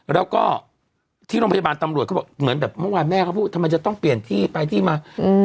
แล้วก็ที่โรงพยาบาลตำรวจเขาบอกเหมือนแบบเมื่อวานแม่เขาพูดทำไมจะต้องเปลี่ยนที่ไปที่มาอืม